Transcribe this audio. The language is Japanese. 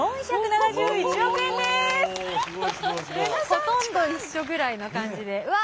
ほとんど一緒ぐらいな感じでうわ。